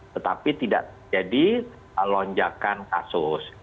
tetapi tidak terjadi lonjakan kasus